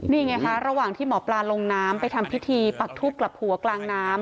นี่ไงคะระหว่างที่หมอปลาลงน้ำไปทำพิธีปักทูบกลับหัวกลางน้ำ